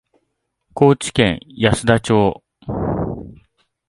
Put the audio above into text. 高知県安田町